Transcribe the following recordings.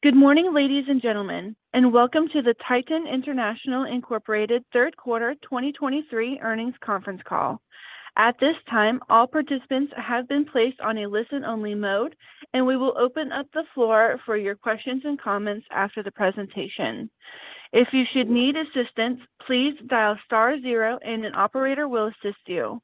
Good morning, ladies and gentlemen, and welcome to the Titan International Incorporated Third Quarter 2023 Earnings Conference Call. At this time, all participants have been placed on a listen-only mode, and we will open up the floor for your questions and comments after the presentation. If you should need assistance, please dial star zero and an operator will assist you.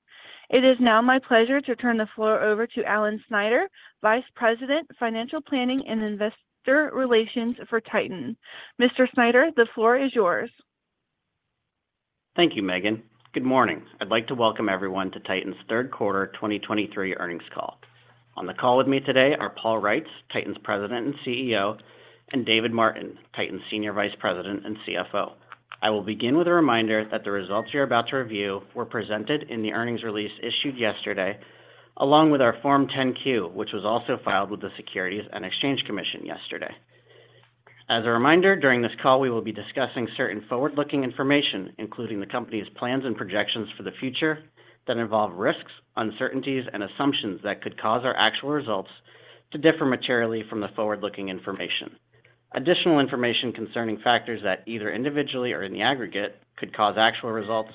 It is now my pleasure to turn the floor over to Alan Snyder, Vice President, Financial Planning and Investor Relations for Titan. Mr. Snyder, the floor is yours. Thank you, Megan. Good morning. I'd like to welcome everyone to Titan's third quarter 2023 earnings call. On the call with me today are Paul Reitz, Titan's President and CEO, and David Martin, Titan's Senior Vice President and CFO. I will begin with a reminder that the results you're about to review were presented in the earnings release issued yesterday, along with our Form 10-Q, which was also filed with the Securities and Exchange Commission yesterday. As a reminder, during this call, we will be discussing certain forward-looking information, including the company's plans and projections for the future, that involve risks, uncertainties, and assumptions that could cause our actual results to differ materially from the forward-looking information. Additional information concerning factors that either individually or in the aggregate could cause actual results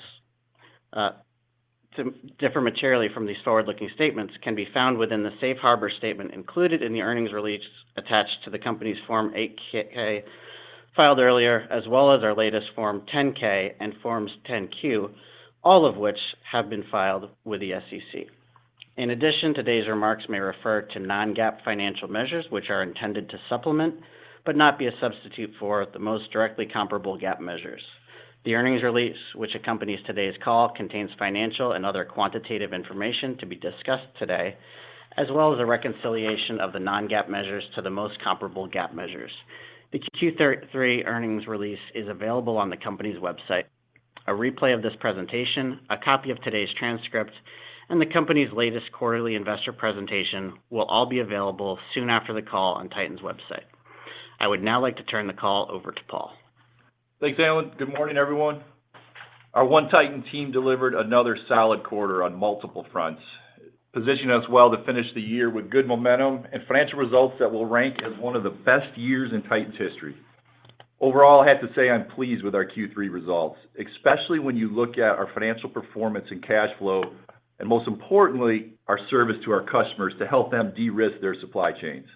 to differ materially from these forward-looking statements can be found within the safe harbor statement included in the earnings release attached to the company's Form 8-K, filed earlier, as well as our latest Form 10-K and Forms 10-Q, all of which have been filed with the SEC. In addition, today's remarks may refer to non-GAAP financial measures, which are intended to supplement, but not be a substitute for, the most directly comparable GAAP measures. The earnings release, which accompanies today's call, contains financial and other quantitative information to be discussed today, as well as a reconciliation of the non-GAAP measures to the most comparable GAAP measures. The Q3 earnings release is available on the company's website. A replay of this presentation, a copy of today's transcript, and the company's latest quarterly investor presentation will all be available soon after the call on Titan's website. I would now like to turn the call over to Paul. Thanks, Alan. Good morning, everyone. Our One Titan team delivered another solid quarter on multiple fronts, positioning us well to finish the year with good momentum and financial results that will rank as one of the best years in Titan's history. Overall, I have to say I'm pleased with our Q3 results, especially when you look at our financial performance and cash flow, and most importantly, our service to our customers to help them de-risk their supply chains.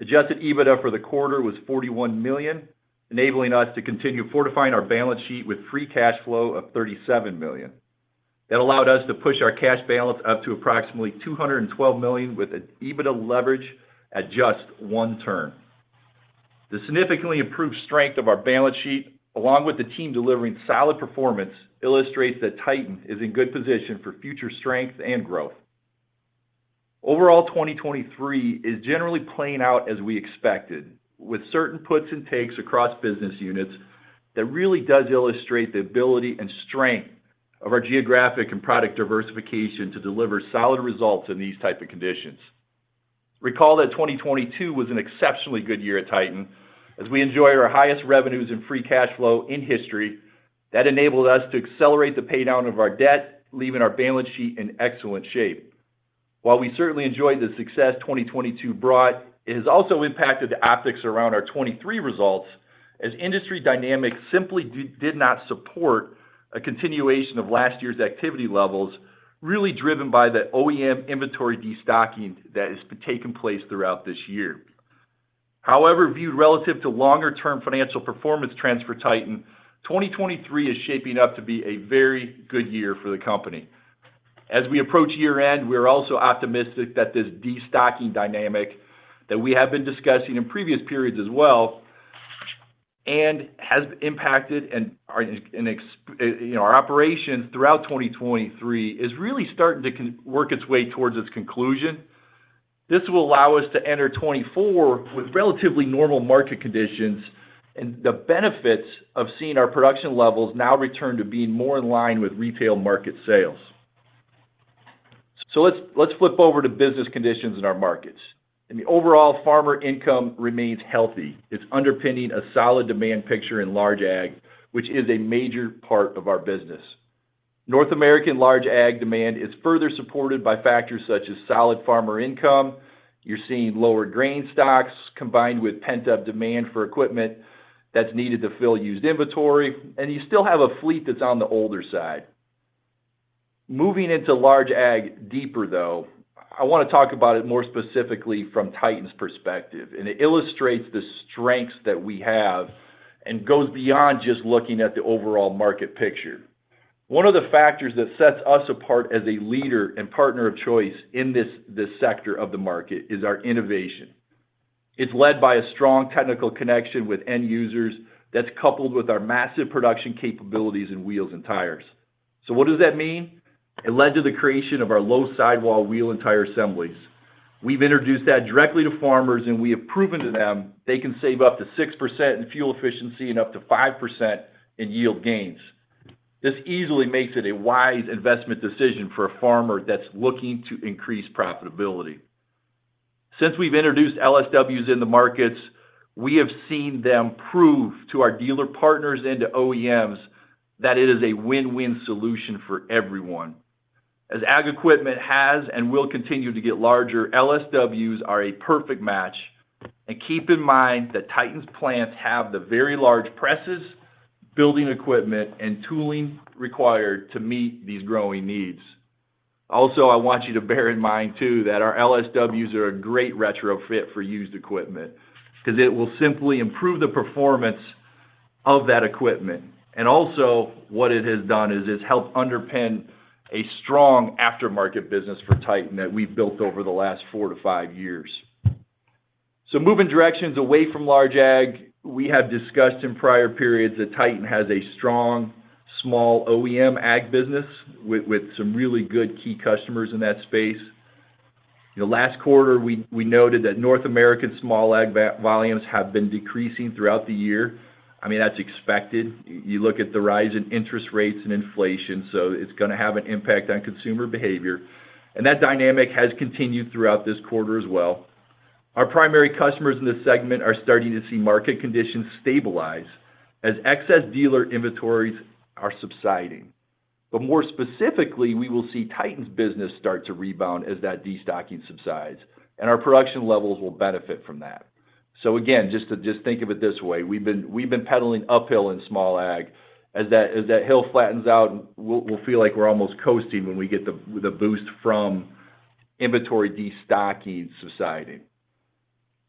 Adjusted EBITDA for the quarter was $41 million, enabling us to continue fortifying our balance sheet with free cash flow of $37 million. That allowed us to push our cash balance up to approximately $212 million, with an EBITDA leverage at just one turn. The significantly improved strength of our balance sheet, along with the team delivering solid performance, illustrates that Titan is in good position for future strength and growth. Overall, 2023 is generally playing out as we expected, with certain puts and takes across business units that really does illustrate the ability and strength of our geographic and product diversification to deliver solid results in these type of conditions. Recall that 2022 was an exceptionally good year at Titan, as we enjoyed our highest revenues and free cash flow in history. That enabled us to accelerate the paydown of our debt, leaving our balance sheet in excellent shape. While we certainly enjoyed the success 2022 brought, it has also impacted the optics around our 2023 results, as industry dynamics simply did not support a continuation of last year's activity levels, really driven by the OEM inventory destocking that has been taking place throughout this year. However, viewed relative to longer-term financial performance trends for Titan, 2023 is shaping up to be a very good year for the company. As we approach year-end, we are also optimistic that this destocking dynamic that we have been discussing in previous periods as well, and has impacted our operations throughout 2023, is really starting to work its way towards its conclusion. This will allow us to enter 2024 with relatively normal market conditions and the benefits of seeing our production levels now return to being more in line with retail market sales. So let's, let's flip over to business conditions in our markets. The overall farmer income remains healthy. It's underpinning a solid demand picture in large ag, which is a major part of our business. North American large ag demand is further supported by factors such as solid farmer income. You're seeing lower grain stocks, combined with pent-up demand for equipment that's needed to fill used inventory, and you still have a fleet that's on the older side. Moving into large ag deeper, though, I want to talk about it more specifically from Titan's perspective, and it illustrates the strengths that we have and goes beyond just looking at the overall market picture. One of the factors that sets us apart as a leader and partner of choice in this, this sector of the market is our innovation. It's led by a strong technical connection with end users that's coupled with our massive production capabilities in wheels and tires. So what does that mean? It led to the creation of our low sidewall wheel and tire assemblies. We've introduced that directly to farmers, and we have proven to them they can save up to 6% in fuel efficiency and up to 5% in yield gains. This easily makes it a wise investment decision for a farmer that's looking to increase profitability. Since we've introduced LSWs in the markets, we have seen them prove to our dealer partners and to OEMs that it is a win-win solution for everyone. As ag equipment has and will continue to get larger, LSWs are a perfect match. And keep in mind that Titan's plants have the very large presses, building equipment, and tooling required to meet these growing needs. Also, I want you to bear in mind, too, that our LSWs are a great retrofit for used equipment, because it will simply improve the performance of that equipment. And also, what it has done is help underpin a strong aftermarket business for Titan that we've built over the last four to five years. So moving directions away from large ag, we have discussed in prior periods that Titan has a strong, small OEM ag business with some really good key customers in that space. You know, last quarter, we noted that North American small ag volumes have been decreasing throughout the year. I mean, that's expected. You look at the rise in interest rates and inflation, so it's gonna have an impact on consumer behavior, and that dynamic has continued throughout this quarter as well. Our primary customers in this segment are starting to see market conditions stabilize as excess dealer inventories are subsiding. But more specifically, we will see Titan's business start to rebound as that destocking subsides, and our production levels will benefit from that. So again, just think of it this way: we've been pedaling uphill in small ag. As that hill flattens out, we'll feel like we're almost coasting when we get the boost from inventory destocking subsiding.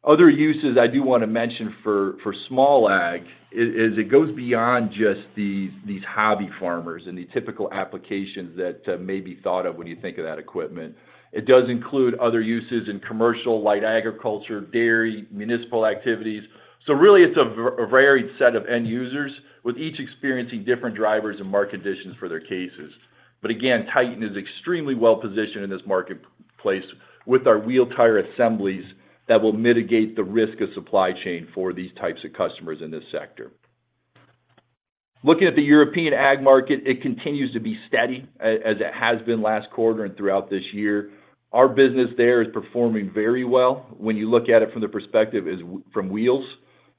Other uses I do want to mention for small ag is it goes beyond just these hobby farmers and the typical applications that may be thought of when you think of that equipment. It does include other uses in commercial, light agriculture, dairy, municipal activities. So really, it's a varied set of end users, with each experiencing different drivers and market conditions for their cases. But again, Titan is extremely well-positioned in this marketplace with our wheel tire assemblies that will mitigate the risk of supply chain for these types of customers in this sector. Looking at the European ag market, it continues to be steady, as it has been last quarter and throughout this year. Our business there is performing very well when you look at it from the perspective as from wheels,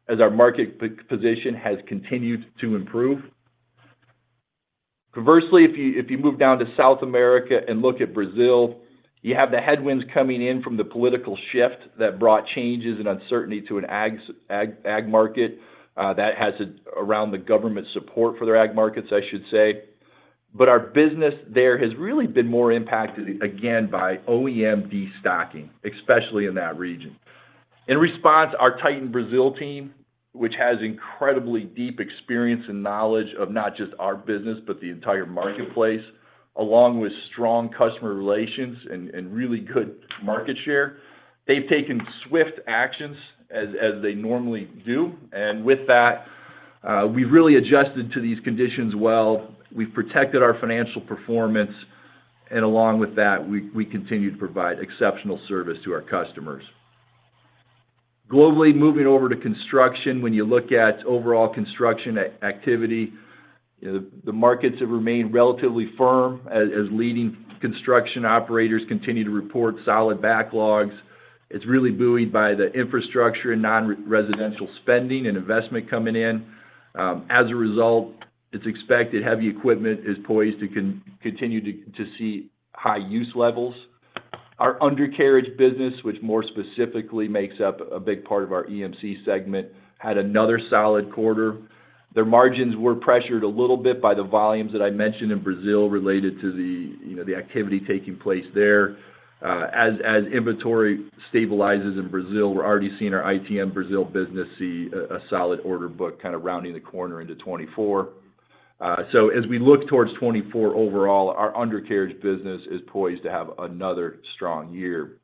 as our market position has continued to improve. Conversely, if you move down to South America and look at Brazil, you have the headwinds coming in from the political shift that brought changes and uncertainty to an ag market that has around the government support for their ag markets, I should say. But our business there has really been more impacted, again, by OEM destocking, especially in that region. In response, our Titan Brazil team, which has incredibly deep experience and knowledge of not just our business, but the entire marketplace, along with strong customer relations and really good market share, they've taken swift actions as they normally do. And with that, we've really adjusted to these conditions well. We've protected our financial performance, and along with that, we continue to provide exceptional service to our customers. Globally, moving over to construction, when you look at overall construction activity, the markets have remained relatively firm as leading construction operators continue to report solid backlogs. It's really buoyed by the infrastructure and nonresidential spending and investment coming in. As a result, it's expected heavy equipment is poised to continue to see high use levels. Our undercarriage business, which more specifically makes up a big part of our EMC segment, had another solid quarter. Their margins were pressured a little bit by the volumes that I mentioned in Brazil related to the, you know, the activity taking place there. As inventory stabilizes in Brazil, we're already seeing our ITM Brazil business see a solid order book kind of rounding the corner into 2024. So as we look towards 2024 overall, our undercarriage business is poised to have another strong year.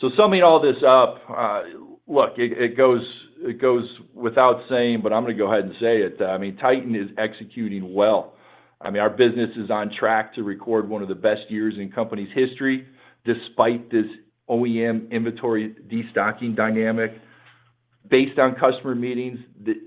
So summing all this up, it goes without saying, but I'm gonna go ahead and say it, I mean, Titan is executing well. I mean, our business is on track to record one of the best years in company's history, despite this OEM inventory destocking dynamic. Based on customer meetings,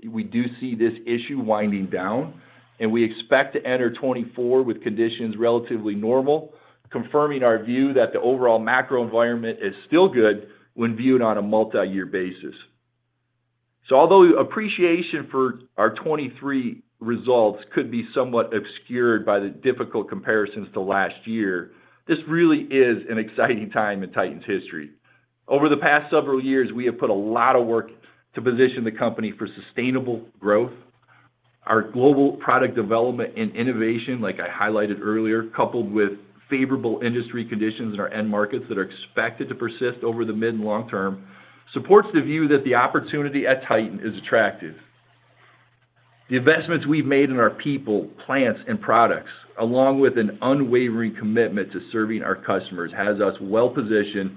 we do see this issue winding down, and we expect to enter 2024 with conditions relatively normal, confirming our view that the overall macro environment is still good when viewed on a multi-year basis. So although appreciation for our 2023 results could be somewhat obscured by the difficult comparisons to last year, this really is an exciting time in Titan's history. Over the past several years, we have put a lot of work to position the company for sustainable growth. Our global product development and innovation, like I highlighted earlier, coupled with favorable industry conditions in our end markets that are expected to persist over the mid and long term, supports the view that the opportunity at Titan is attractive. The investments we've made in our people, plants, and products, along with an unwavering commitment to serving our customers, has us well positioned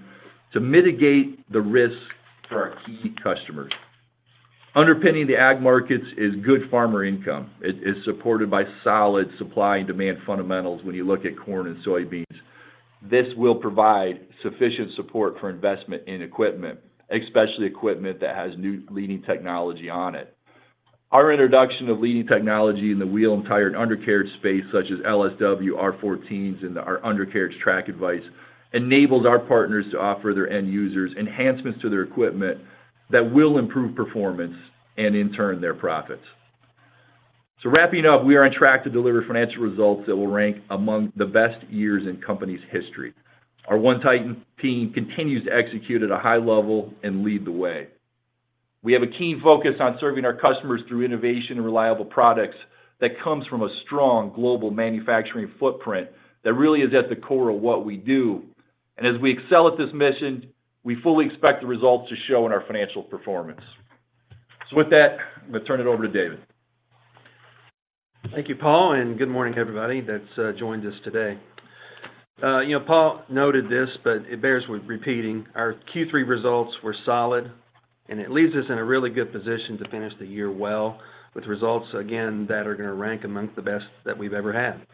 to mitigate the risk for our key customers. Underpinning the ag markets is good farmer income. It is supported by solid supply and demand fundamentals when you look at corn and soybeans. This will provide sufficient support for investment in equipment, especially equipment that has new leading technology on it. Our introduction of leading technology in the wheel and tire and undercarriage space, such as LSW, R14s, and our undercarriage track advice, enables our partners to offer their end users enhancements to their equipment that will improve performance and in turn, their profits. So wrapping up, we are on track to deliver financial results that will rank among the best years in the company's history. Our one Titan team continues to execute at a high level and lead the way. We have a keen focus on serving our customers through innovation and reliable products that comes from a strong global manufacturing footprint that really is at the core of what we do. And as we excel at this mission, we fully expect the results to show in our financial performance. So with that, I'm going to turn it over to David. Thank you, Paul, and good morning to everybody that's joined us today. You know, Paul noted this, but it bears worth repeating. Our Q3 results were solid, and it leaves us in a really good position to finish the year well, with results, again, that are going to rank amongst the best that we've ever had.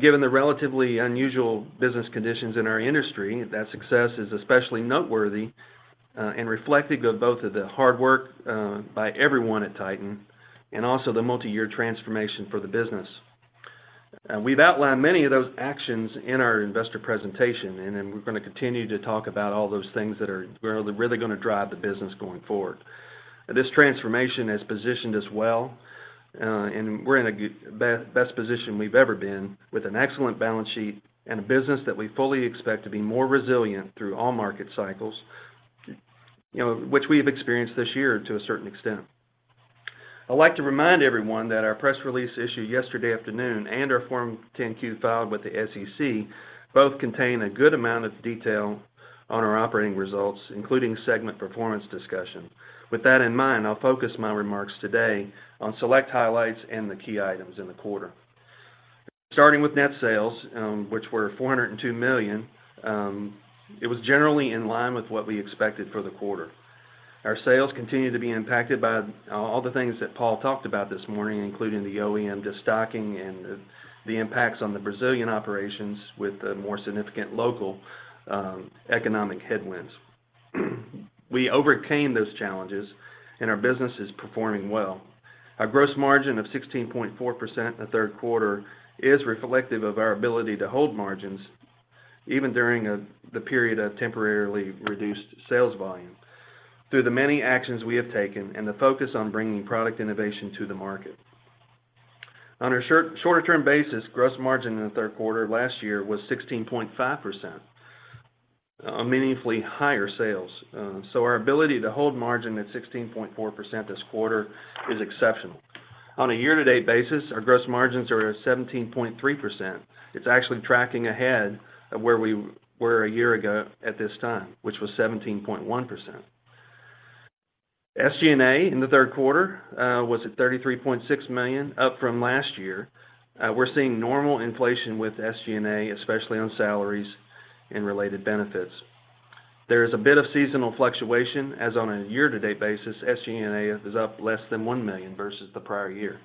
Given the relatively unusual business conditions in our industry, that success is especially noteworthy in reflecting of both of the hard work by everyone at Titan and also the multiyear transformation for the business. We've outlined many of those actions in our investor presentation, and then we're going to continue to talk about all those things that are really, really going to drive the business going forward. This transformation has positioned us well, and we're in the best position we've ever been, with an excellent balance sheet and a business that we fully expect to be more resilient through all market cycles, you know, which we have experienced this year to a certain extent. I'd like to remind everyone that our press release issued yesterday afternoon and our Form 10-Q filed with the SEC, both contain a good amount of detail on our operating results, including segment performance discussion. With that in mind, I'll focus my remarks today on select highlights and the key items in the quarter. Starting with net sales, which were $402 million, it was generally in line with what we expected for the quarter. Our sales continued to be impacted by all the things that Paul talked about this morning, including the OEM destocking and the impacts on the Brazilian operations, with the more significant local economic headwinds. We overcame those challenges, and our business is performing well. Our gross margin of 16.4% in the third quarter is reflective of our ability to hold margins, even during the period of temporarily reduced sales volume, through the many actions we have taken and the focus on bringing product innovation to the market. On a short, shorter-term basis, gross margin in the third quarter last year was 16.5%, on meaningfully higher sales. So our ability to hold margin at 16.4% this quarter is exceptional. On a year-to-date basis, our gross margins are at 17.3%. It's actually tracking ahead of where we were a year ago at this time, which was 17.1%. SG&A in the third quarter was at $33.6 million, up from last year. We're seeing normal inflation with SG&A, especially on salaries and related benefits. There is a bit of seasonal fluctuation, as on a year-to-date basis, SG&A is up less than $1 million versus the prior year.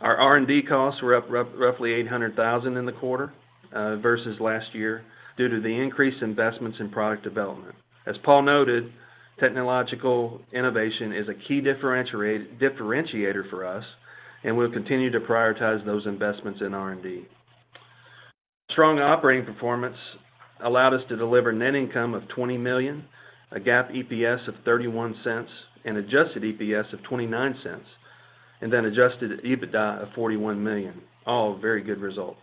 Our R&D costs were up roughly $800,000 in the quarter versus last year, due to the increased investments in product development. As Paul noted, technological innovation is a key differentiator for us, and we'll continue to prioritize those investments in R&D. Strong operating performance allowed us to deliver net income of $20 million, a GAAP EPS of $0.31, an adjusted EPS of $0.29, and then adjusted EBITDA of $41 million. All very good results.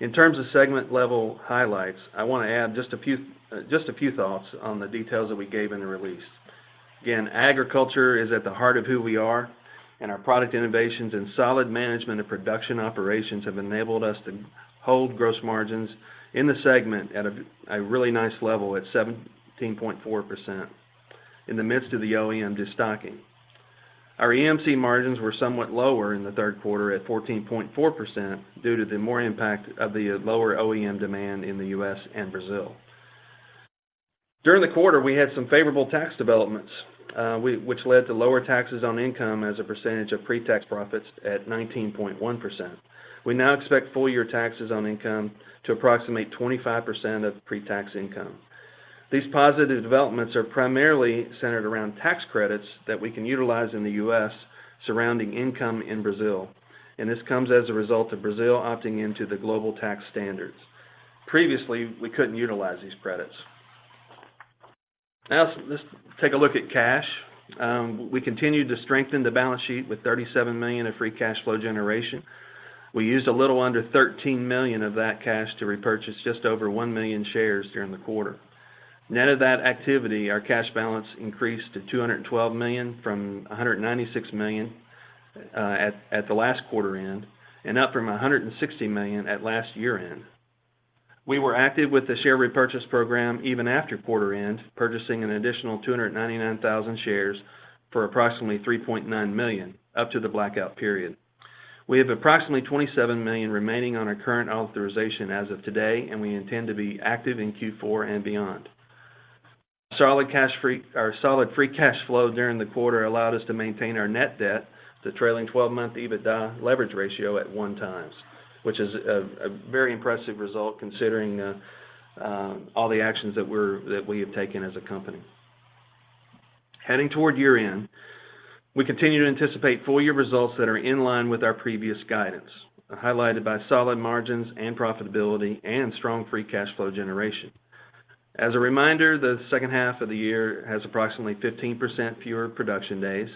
In terms of segment-level highlights, I want to add just a few, just a few thoughts on the details that we gave in the release. Again, agriculture is at the heart of who we are, and our product innovations and solid management of production operations have enabled us to hold gross margins in the segment at a really nice level, at 17.4%, in the midst of the OEM destocking. Our EMC margins were somewhat lower in the third quarter at 14.4%, due to the more impact of the lower OEM demand in the U.S. and Brazil. During the quarter, we had some favorable tax developments, which led to lower taxes on income as a percentage of pre-tax profits at 19.1%. We now expect full-year taxes on income to approximate 25% of pre-tax income. These positive developments are primarily centered around tax credits that we can utilize in the U.S. surrounding income in Brazil, and this comes as a result of Brazil opting into the global tax standards. Previously, we couldn't utilize these credits. Now, let's take a look at cash. We continued to strengthen the balance sheet with $37 million of free cash flow generation. We used a little under $13 million of that cash to repurchase just over 1,000,000 shares during the quarter. Net of that activity, our cash balance increased to $212 million from $196 million at the last quarter end, and up from $160 million at last year-end. We were active with the share repurchase program even after quarter end, purchasing an additional 299,000 shares for approximately $3.9 million, up to the blackout period. We have approximately 27 million remaining on our current authorization as of today, and we intend to be active in Q4 and beyond. Solid free cash flow during the quarter allowed us to maintain our net debt, the trailing twelve-month EBITDA leverage ratio at 1x, which is a very impressive result, considering all the actions that we have taken as a company. Heading toward year-end, we continue to anticipate full year results that are in line with our previous guidance, highlighted by solid margins and profitability, and strong free cash flow generation. As a reminder, the second half of the year has approximately 15% fewer production days,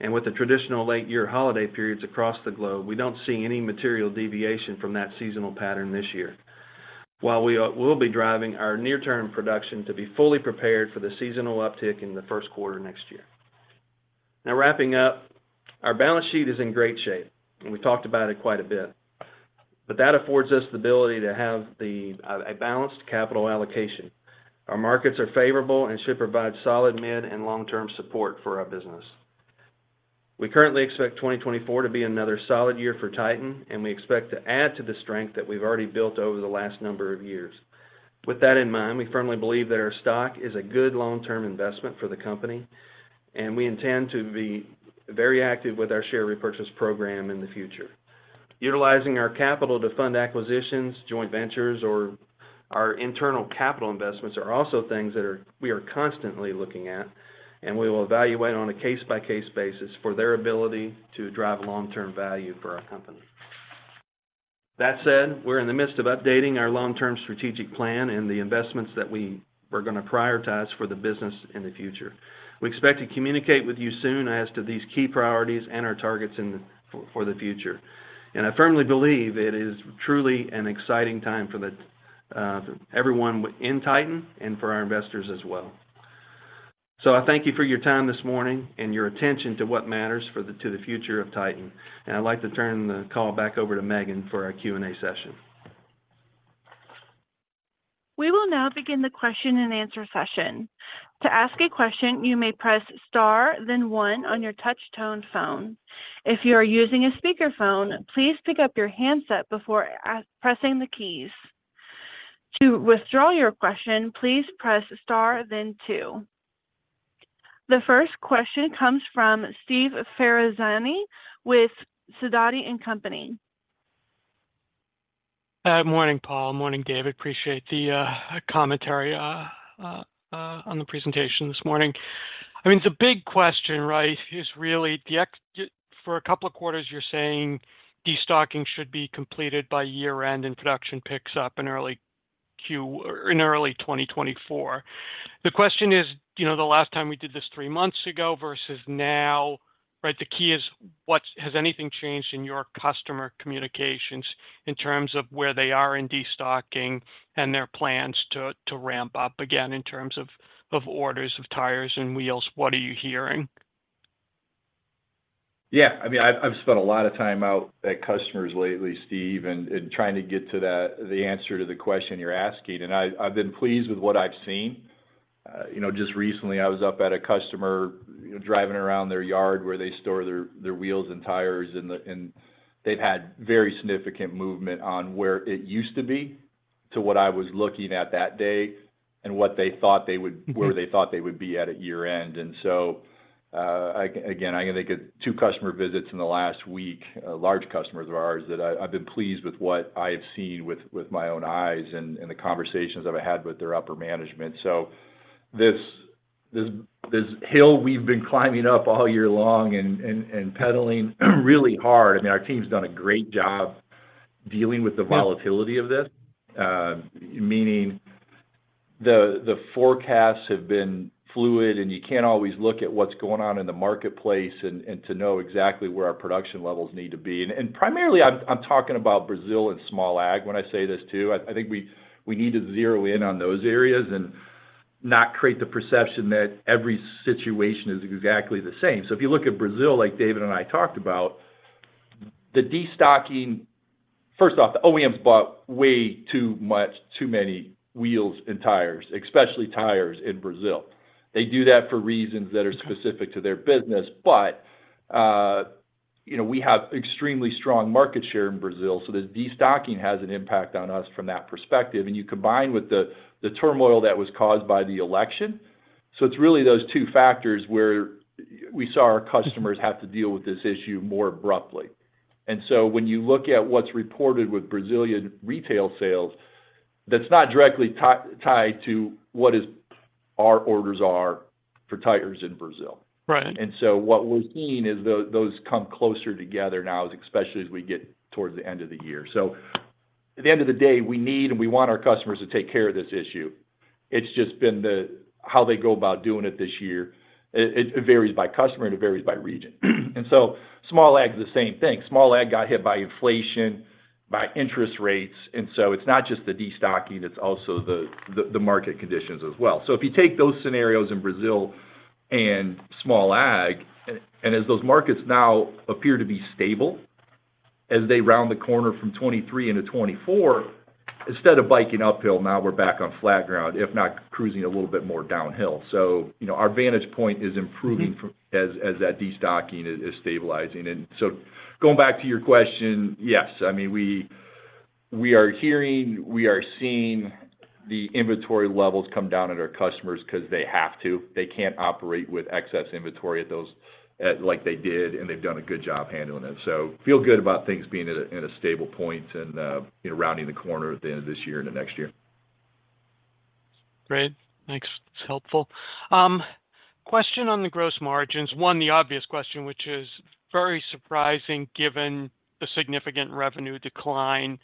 and with the traditional late year holiday periods across the globe, we don't see any material deviation from that seasonal pattern this year. While we'll be driving our near-term production to be fully prepared for the seasonal uptick in the first quarter next year. Now, wrapping up, our balance sheet is in great shape, and we talked about it quite a bit, but that affords us the ability to have a balanced capital allocation. Our markets are favorable and should provide solid mid and long-term support for our business. We currently expect 2024 to be another solid year for Titan, and we expect to add to the strength that we've already built over the last number of years. With that in mind, we firmly believe that our stock is a good long-term investment for the company, and we intend to be very active with our share repurchase program in the future. Utilizing our capital to fund acquisitions, joint ventures, or our internal capital investments are also things that we are constantly looking at, and we will evaluate on a case-by-case basis for their ability to drive long-term value for our company. That said, we're in the midst of updating our long-term strategic plan and the investments that we're gonna prioritize for the business in the future. We expect to communicate with you soon as to these key priorities and our targets in the future. And I firmly believe it is truly an exciting time for the everyone in Titan and for our investors as well. I thank you for your time this morning and your attention to what matters for the, to the future of Titan. I'd like to turn the call back over to Megan for our Q&A session. We will now begin the question-and-answer session. To ask a question, you may press Star, then 1 on your touch tone phone. If you are using a speakerphone, please pick up your handset before pressing the keys. To withdraw your question, please press Star then 2. The first question comes from Steve Ferazani with Sidoti & Company. Morning, Paul. Morning, David. Appreciate the, commentary, on the presentation this morning. I mean, the big question, right, is really for a couple of quarters, you're saying, destocking should be completed by year-end, and production picks up in early 2024. The question is, you know, the last time we did this three months ago versus now, right? The key is, has anything changed in your customer communications in terms of where they are in destocking and their plans to ramp up again, in terms of orders of tires and wheels? What are you hearing? Yeah, I mean, I've spent a lot of time out at customers lately, Steve, and trying to get to the answer to the question you're asking, and I've been pleased with what I've seen. You know, just recently, I was up at a customer, driving around their yard where they store their wheels and tires, and they've had very significant movement on where it used to be to what I was looking at that day, and what they thought they would- Mm-hmm. Where they thought they would be at a year-end. So, again, I can think of two customer visits in the last week, large customers of ours, that I've been pleased with what I have seen with my own eyes and the conversations I've had with their upper management. So this hill we've been climbing up all year long and pedaling really hard, I mean, our team's done a great job dealing with the- Yes... volatility of this. Meaning the forecasts have been fluid, and you can't always look at what's going on in the marketplace and to know exactly where our production levels need to be. And, primarily, I'm talking about Brazil and small ag, when I say this, too. I think we need to zero in on those areas and not create the perception that every situation is exactly the same. So if you look at Brazil, like David and I talked about, the destocking... First off, the OEMs bought way too much, too many wheels and tires, especially tires in Brazil. They do that for reasons that are specific to their business, but you know, we have extremely strong market share in Brazil, so the destocking has an impact on us from that perspective. And you combine with the turmoil that was caused by the election. So it's really those two factors where we saw our customers have to deal with this issue more abruptly. And so when you look at what's reported with Brazilian retail sales, that's not directly tied to what is our orders are for tires in Brazil. Right. And so what we're seeing is those come closer together now, especially as we get towards the end of the year. So at the end of the day, we need and we want our customers to take care of this issue. It's just been the how they go about doing it this year, it, it varies by customer, and it varies by region. And so small ag is the same thing. Small ag got hit by inflation, by interest rates, and so it's not just the destocking, it's also the market conditions as well. So if you take those scenarios in Brazil and small ag, and as those markets now appear to be stable, as they round the corner from 2023 into 2024, instead of biking uphill, now we're back on flat ground, if not cruising a little bit more downhill. You know, our vantage point is improving- Mm-hmm... as that destocking is stabilizing. And so going back to your question, yes, I mean, we are hearing, we are seeing the inventory levels come down at our customers 'cause they have to. They can't operate with excess inventory at those, like they did, and they've done a good job handling it. So feel good about things being at a stable point and, rounding the corner at the end of this year and the next year. Great. Thanks. It's helpful. Question on the gross margins. One, the obvious question, which is very surprising, given the significant revenue decline,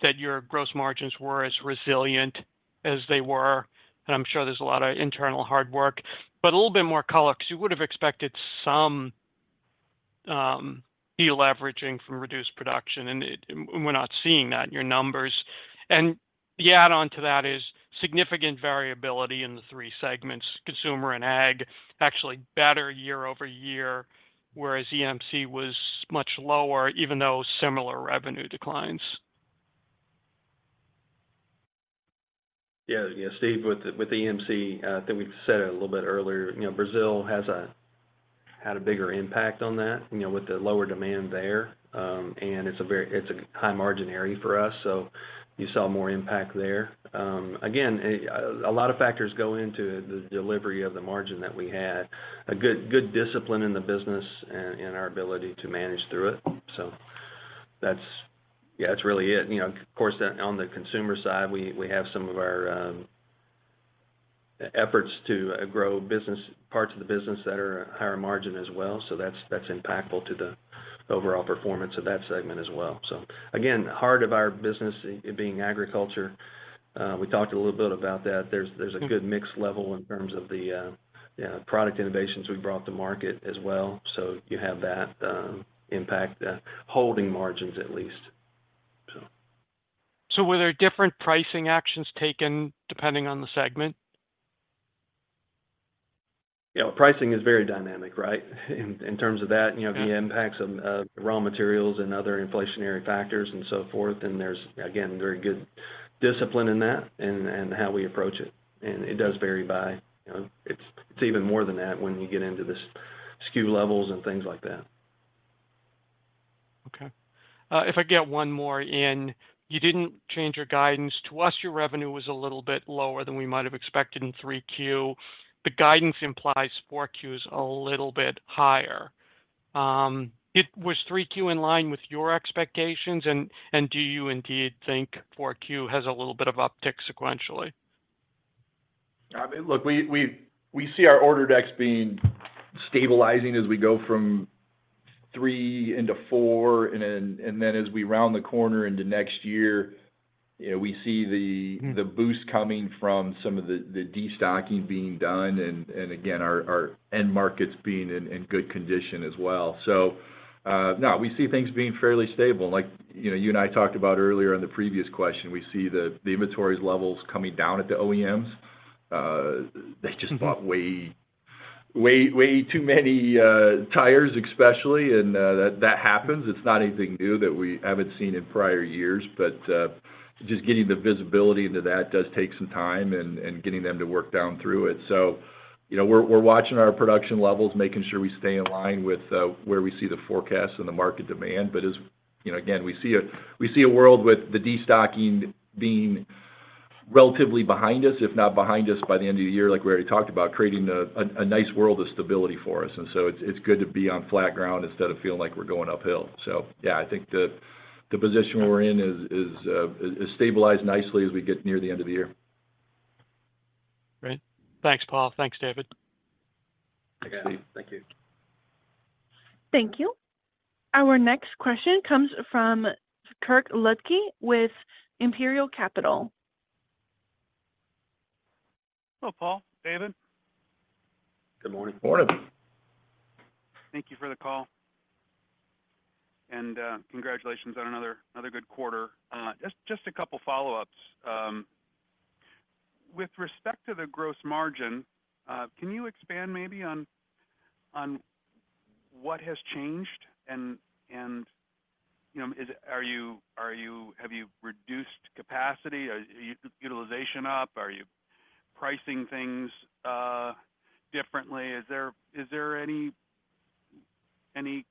that your gross margins were as resilient as they were, and I'm sure there's a lot of internal hard work, but a little bit more color, because you would have expected some deleveraging from reduced production, and it, and we're not seeing that in your numbers. The add on to that is significant variability in the three segments. Consumer and ag, actually better year-over-year, whereas EMC was much lower, even though similar revenue declines. Yeah. Yeah, Steve, with EMC, I think we've said it a little bit earlier, you know, Brazil had a bigger impact on that, you know, with the lower demand there. And it's a very, it's a high margin area for us, so you saw more impact there. Again, a lot of factors go into the delivery of the margin that we had. A good, good discipline in the business and our ability to manage through it. So that's, yeah, that's really it. You know, of course, on the consumer side, we have some of our efforts to grow business, parts of the business that are higher margin as well. So that's, that's impactful to the overall performance of that segment as well. So again, the heart of our business, it being agriculture, we talked a little bit about that. There's a good mix level in terms of the product innovations we brought to market as well. So you have that impact, holding margins at least. So... Were there different pricing actions taken depending on the segment? Yeah, pricing is very dynamic, right? In terms of that, you know, the impacts of raw materials and other inflationary factors and so forth, and there's, again, very good discipline in that and how we approach it. And it does vary by, you know... It's even more than that when you get into the skew levels and things like that. Okay. If I get one more in, you didn't change your guidance. To us, your revenue was a little bit lower than we might have expected in 3Q. The guidance implies 4Q is a little bit higher. It was 3Q in line with your expectations, and do you indeed think 4Q has a little bit of uptick sequentially? I mean, look, we see our order decks being stabilizing as we go from three into four, and then as we round the corner into next year, we see the- Mm-hmm... the boost coming from some of the destocking being done, and again, our end markets being in good condition as well. So, now we see things being fairly stable. Like, you know, you and I talked about earlier in the previous question, we see the inventory levels coming down at the OEMs. They just bought way too many tires, especially, and that happens. It's not anything new that we haven't seen in prior years, but just getting the visibility into that does take some time and getting them to work down through it. So, you know, we're watching our production levels, making sure we stay in line with where we see the forecast and the market demand. As you know, again, we see a world with the destocking being relatively behind us, if not behind us, by the end of the year, like we already talked about, creating a nice world of stability for us. So it's good to be on flat ground instead of feeling like we're going uphill. Yeah, I think the position we're in is stabilized nicely as we get near the end of the year. Great. Thanks, Paul. Thanks, David. Okay, thank you. Thank you. Our next question comes from Kirk Ludtke with Imperial Capital. Hello, Paul, David. Good morning. Morning. Thank you for the call. Congratulations on another good quarter. Just a couple follow-ups. With respect to the gross margin, can you expand maybe on what has changed and, you know, is- are you have you reduced capacity? Are your utilization up? Are you pricing things differently? Is there any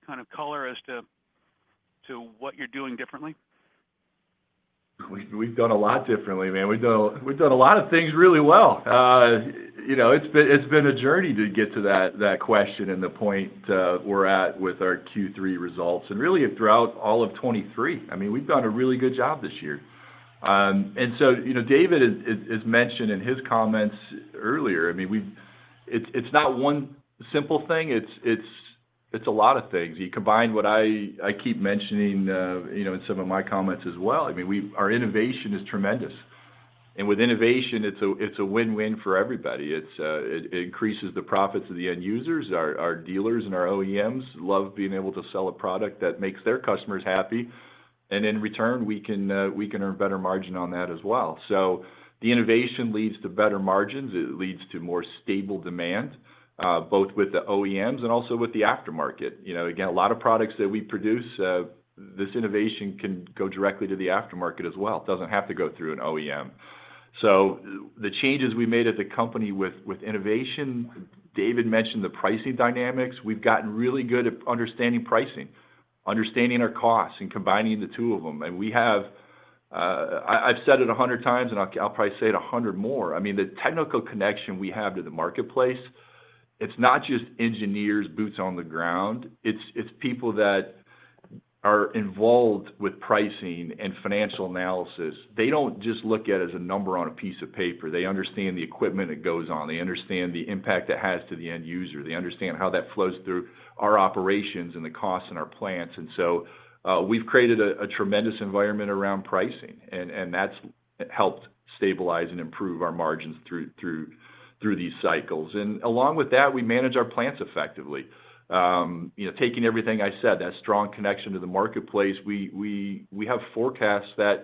kind of color as to what you're doing differently? We've done a lot differently, man. We've done a lot of things really well. You know, it's been a journey to get to that question and the point we're at with our Q3 results, and really throughout all of 2023. I mean, we've done a really good job this year. So, you know, David has mentioned in his comments earlier. I mean, we've. It's not one simple thing, it's a lot of things. You combine what I keep mentioning, you know, in some of my comments as well. I mean, we've. Our innovation is tremendous. And with innovation, it's a win-win for everybody. It increases the profits of the end users. Our dealers and our OEMs love being able to sell a product that makes their customers happy. And in return, we can, we can earn better margin on that as well. So the innovation leads to better margins, it leads to more stable demand, both with the OEMs and also with the aftermarket. You know, again, a lot of products that we produce, this innovation can go directly to the aftermarket as well. It doesn't have to go through an OEM. So the changes we made at the company with innovation, David mentioned the pricing dynamics. We've gotten really good at understanding pricing, understanding our costs, and combining the two of them. And we have, I've said it 100 times, and I'll, I'll probably say it 100 more. I mean, the technical connection we have to the marketplace, it's not just engineers' boots on the ground, it's people that are involved with pricing and financial analysis, they don't just look at it as a number on a piece of paper. They understand the equipment it goes on, they understand the impact it has to the end user, they understand how that flows through our operations and the costs in our plants. And so, we've created a tremendous environment around pricing, and that's helped stabilize and improve our margins through these cycles. And along with that, we manage our plants effectively. You know, taking everything I said, that strong connection to the marketplace, we have forecasts that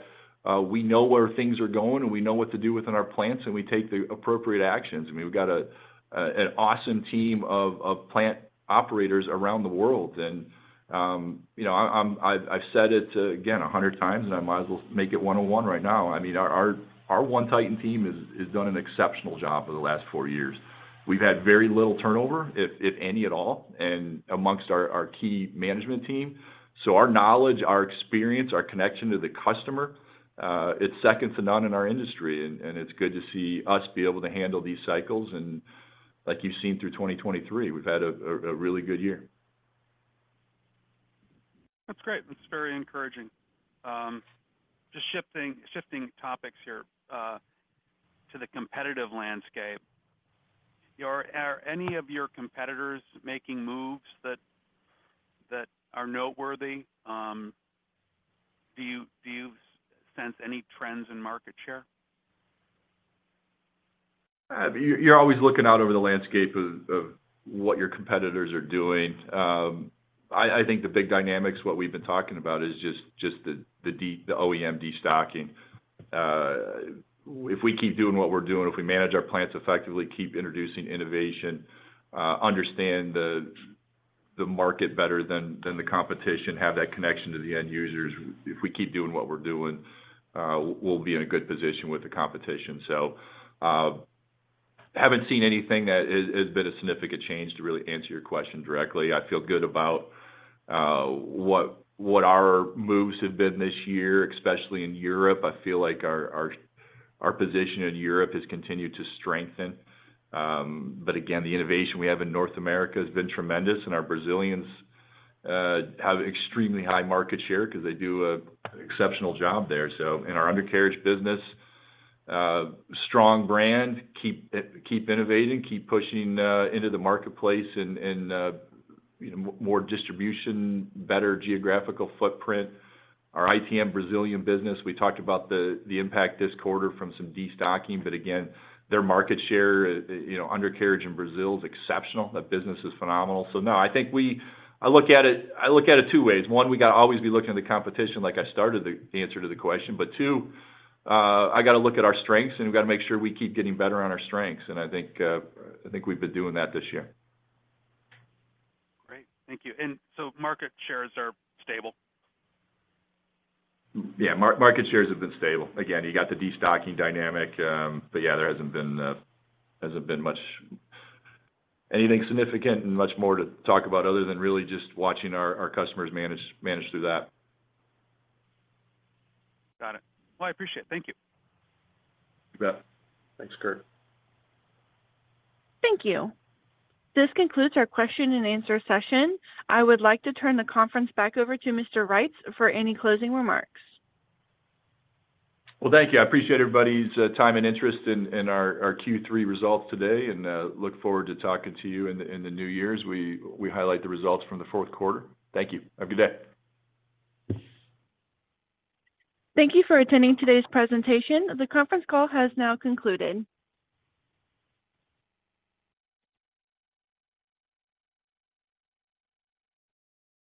we know where things are going, and we know what to do within our plants, and we take the appropriate actions. I mean, we've got an awesome team of plant operators around the world. And you know, I've said it again 100 times, and I might as well make it 101 right now. I mean, our One Titan team has done an exceptional job for the last four years. We've had very little turnover, if any at all, and amongst our key management team. So our knowledge, our experience, our connection to the customer, it's second to none in our industry, and it's good to see us be able to handle these cycles. And like you've seen through 2023, we've had a really good year. That's great. That's very encouraging. Just shifting topics here to the competitive landscape. Are any of your competitors making moves that are noteworthy? Do you sense any trends in market share? You're always looking out over the landscape of what your competitors are doing. I think the big dynamics what we've been talking about is the OEM destocking. If we keep doing what we're doing, if we manage our plants effectively, keep introducing innovation, understand the market better than the competition, have that connection to the end users. If we keep doing what we're doing, we'll be in a good position with the competition. I haven't seen anything that has been a significant change to really answer your question directly. I feel good about what our moves have been this year, especially in Europe. I feel like our position in Europe has continued to strengthen. But again, the innovation we have in North America has been tremendous, and our Brazilians have extremely high market share 'cause they do an exceptional job there. So in our undercarriage business, strong brand, keep innovating, keep pushing into the marketplace and, and, you know, more distribution, better geographical footprint. Our ITM Brazilian business, we talked about the impact this quarter from some destocking, but again, their market share, you know, undercarriage in Brazil is exceptional. That business is phenomenal. So no, I think we—I look at it, I look at it two ways. One, we got to always be looking at the competition, like I started the answer to the question. But two, I got to look at our strengths, and we've got to make sure we keep getting better on our strengths, and I think, I think we've been doing that this year. Great. Thank you. And so market shares are stable? Yeah, market shares have been stable. Again, you got the destocking dynamic, but yeah, there hasn't been much anything significant and much more to talk about other than really just watching our customers manage through that. Got it. Well, I appreciate it. Thank you. You bet. Thanks, Kirk. Thank you. This concludes our question and answer session. I would like to turn the conference back over to Mr. Reitz for any closing remarks. Well, thank you. I appreciate everybody's time and interest in our Q3 results today, and look forward to talking to you in the new year as we highlight the results from the fourth quarter. Thank you. Have a good day. Thank you for attending today's presentation. The conference call has now concluded.